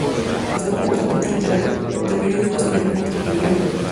Están compuestas por citas literarias, de periódicos y de fragmentos autobiográficos.